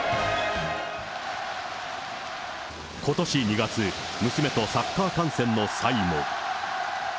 ことし２月、娘とサッカー観戦の際も。